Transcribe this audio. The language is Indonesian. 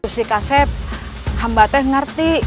gusti kasep hamba teh ngerti